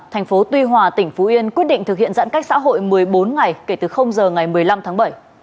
thành phố tuy hòa tỉnh phú yên quyết định thực hiện giãn cách xã hội một mươi bốn ngày kể từ giờ ngày một mươi năm tháng bảy